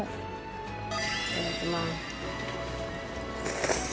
いただきます。